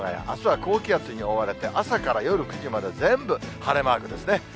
あすは高気圧に覆われて、朝から夜９時まで、全部晴れマークですね。